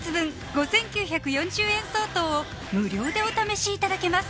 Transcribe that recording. ５９４０円相当を無料でお試しいただけます